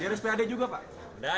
di rumah juga pak